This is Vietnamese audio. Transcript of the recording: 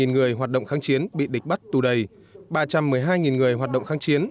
một mươi người hoạt động kháng chiến bị địch bắt tù đầy ba trăm một mươi hai người hoạt động kháng chiến